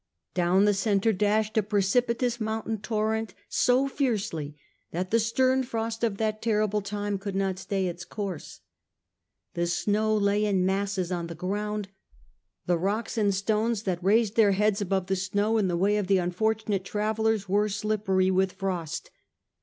Down the centre dashed a precipitous mountain tor rent so fiercely that the stern frost of that terrible time could not stay its course. The snow lay in masses on the ground; the rocks and stones that raised their heads above the snow in the way of the unfortunate travellers were slippery with frost.